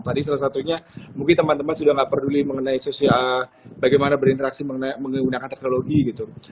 tadi salah satunya mungkin teman teman sudah nggak peduli mengenai bagaimana berinteraksi menggunakan teknologi gitu